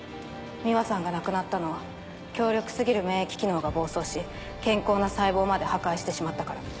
美羽さんが亡くなったのは強力過ぎる免疫機能が暴走し健康な細胞まで破壊してしまったから。